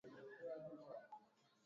walikataa kula wanyama hao wala ndege